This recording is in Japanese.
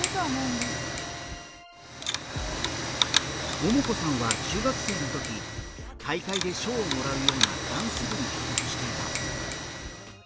ももこさんは中学生のとき大会で賞をもらうようなダンス部に所属していた。